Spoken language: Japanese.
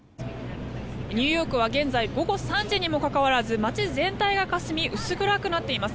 ニューヨークは現在午後３時にもかかわらず街全体がかすみ薄暗くなっています。